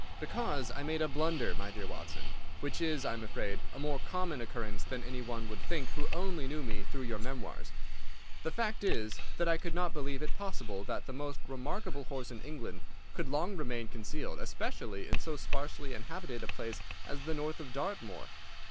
"Because I made a blunder, my dear Watson—which is, I am afraid, a more common occurrence than any one would think who only knew me through your memoirs. The fact is that I could not believe it possible that the most remarkable horse in England could long remain concealed, especially in so sparsely inhabited a place as the north of Dartmoor.